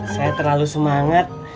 saya terlalu semangat